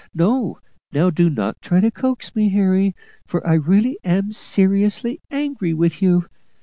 No now do not try to coax me, Harry, for I really am seriously angry with you.